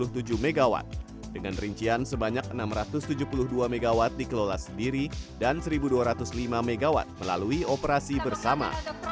dengan satu ratus tujuh puluh tujuh mw dengan rincian sebanyak enam ratus tujuh puluh dua mw dikelola sendiri dan seribu dua ratus lima mw melalui operasi bersama